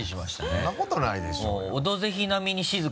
そんなことないでしょうよ。